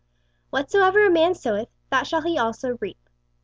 "Whatsoever a man soweth, that shall he also reap."